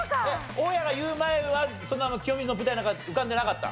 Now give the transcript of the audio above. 大家が言う前はそんな清水の舞台なんか浮かんでなかった？